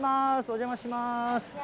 お邪魔します。